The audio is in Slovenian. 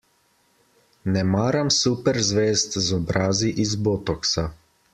Ne maram super zvezd z obrazi iz botoksa.